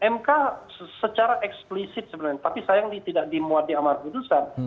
mk secara eksplisit sebenarnya tapi sayangnya tidak dimuat di amal keputusan